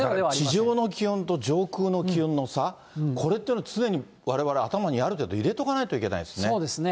地上の気温と上空の気温の差、これって常にわれわれは頭にある程度入れておかないといけないんそうですね。